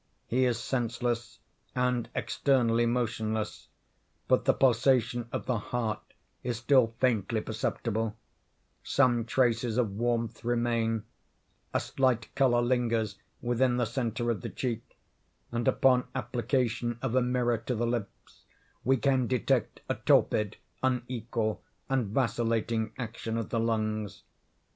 He is senseless and externally motionless; but the pulsation of the heart is still faintly perceptible; some traces of warmth remain; a slight color lingers within the centre of the cheek; and, upon application of a mirror to the lips, we can detect a torpid, unequal, and vacillating action of the lungs.